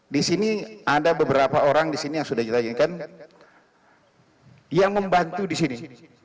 di sini ada beberapa orang yang sudah ditanyakan yang membantu di sini